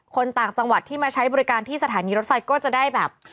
ต่างจังหวัดที่มาใช้บริการที่สถานีรถไฟก็จะได้แบบ